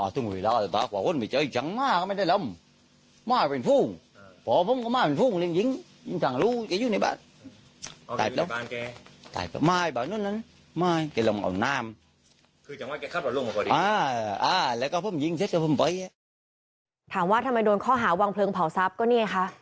ถามว่าทำไมโดนข้อหาวางเพลิงเผาทรัพย์ก็นี่ไงคะ